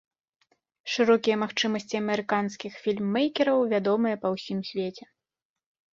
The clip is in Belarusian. Шырокія магчымасці амерыканскіх фільм-мэйкераў вядомыя па ўсім свеце.